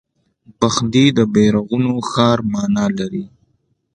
بخدي د بیرغونو ښار مانا لري